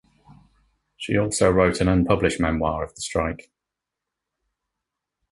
She also wrote an unpublished memoir of the strike.